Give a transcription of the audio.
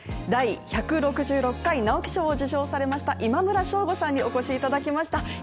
第１６６回直木賞を受賞されました、今村翔吾さんにお越しいただきました